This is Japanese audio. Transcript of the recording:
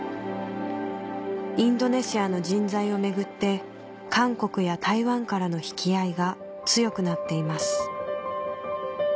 インドネシアの人材を巡って韓国や台湾からの引き合いが強くなっています